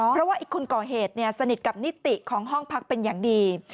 เพราะว่าคนก่อเหตุสนิทกับนิติของห้องพักเป็นอย่างดี